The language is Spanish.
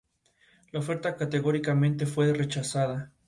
La oferta categóricamente fue rechazada.